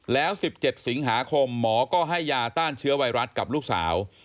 แล้ว๑๗สิงหาคมหมอก็ให้ยาต้านเชื้อไวรัสกับลูกสาว